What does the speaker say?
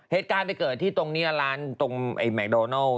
เหตุการณ์ไปเกิดที่ตรงนี้ร้านตรงไอ้แมคโดนัล